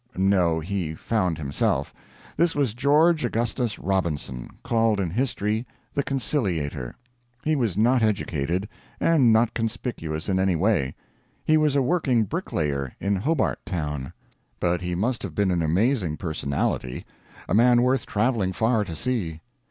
No, he found himself. This was George Augustus Robinson, called in history "The Conciliator." He was not educated, and not conspicuous in any way. He was a working bricklayer, in Hobart Town. But he must have been an amazing personality; a man worth traveling far to see.